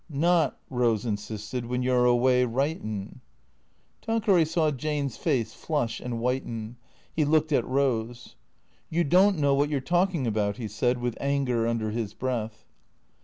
" Not," Rose insisted, " when you 're away, writin'." Tanqueray saw Jane's face flush and whiten. He looked at Eose. " You don't know what you 're talking about," he said, with anger under his breath.